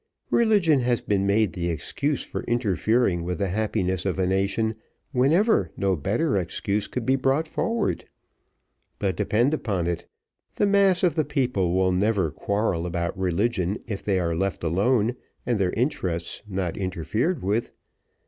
Religion has been made the excuse for interfering with the happiness of a nation whenever no better excuse could be brought forward; but depend upon it, the mass of the people will never quarrel about religion if they are left alone, and their interests not interfered with.